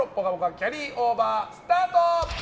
キャリーオーバースタート！